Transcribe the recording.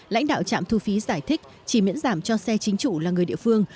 lãnh đạo trạm thu phí giải thích chỉ miễn giảm cho xe chính chủ là người địa phương